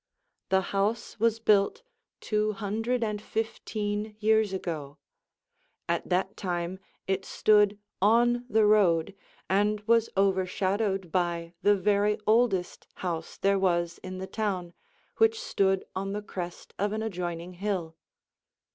The house was built two hundred and fifteen years ago. At that time it stood on the road and was overshadowed by the very oldest house there was in the town, which stood on the crest of an adjoining hill.